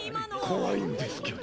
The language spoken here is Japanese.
怖いんですけど。